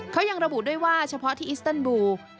เขายังระบุด้วยว่าเฉพาะที่อิสเติลบูล